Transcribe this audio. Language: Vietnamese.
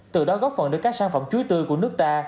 từ đó góp phần đưa các sản phẩm chuối tươi của nước ta